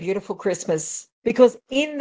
seperti itu akan menjadi krismas yang indah